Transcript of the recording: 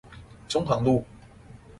中航路